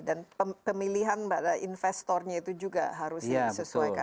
dan pemilihan para investornya itu juga harus disesuaikan